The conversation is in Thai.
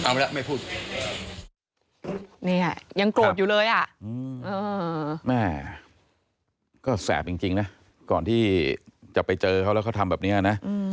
แม่ก็แสบจริงนะก่อนที่จะไปเจอเขาแล้วเขาทำแบบนี้นะ